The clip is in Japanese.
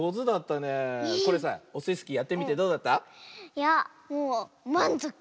いやもうまんぞく。